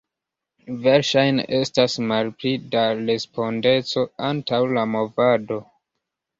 Verŝajne estas malpli da respondeco antaŭ la movado.